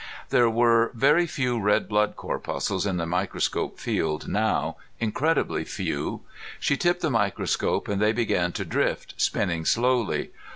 There were very few red blood corpuscles in the microscope field now, incredibly few. She tipped the microscope and they began to drift, spinning slowly.